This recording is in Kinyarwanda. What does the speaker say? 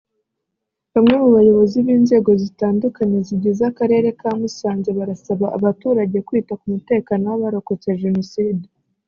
Bamwe mu bayobozi b’inzego zitandukanye zigize Akarere ka Musanze barasaba abaturage kwita ku mutekano w’abarokotse Jenoside